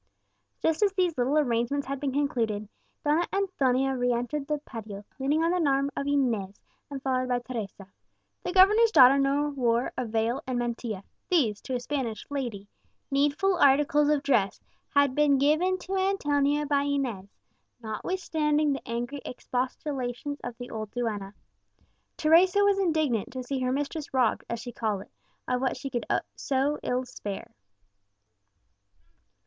Just as these little arrangements had been concluded, Donna Antonia re entered the patio, leaning on the arm of Inez, and followed by Teresa. The governor's daughter now wore a veil and mantilla; these, to a Spanish lady, needful articles of dress, had been given to Antonia by Inez, notwithstanding the angry expostulations of the old duenna. Teresa was indignant to see her mistress robbed, as she called it, of what she so ill could spare.